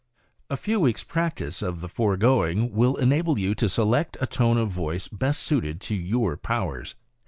A few weeks' practice of the foregoing will enable you to select a tone of voice best suited to your powers.